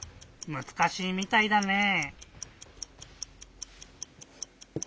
むずかしいみたいだねぇ。